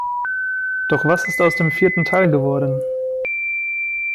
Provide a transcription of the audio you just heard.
Doch was ist aus dem vierten Teil geworden?